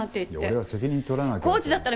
いや俺は責任取らなきゃって。